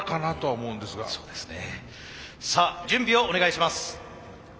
さあ準備をお願いします。